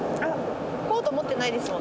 コード持ってないですもんね？